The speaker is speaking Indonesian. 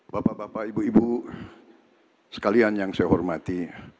bapak bapak ibu ibu sekalian yang saya hormati